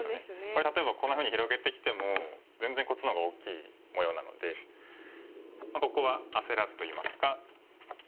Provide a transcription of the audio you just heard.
これ例えばこんなふうに広げてきても全然こっちの方が大きい模様なのでここは焦らずといいますか。